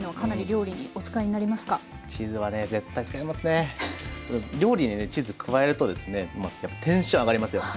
料理にねチーズ加えるとですねやっぱテンション上がりますよ！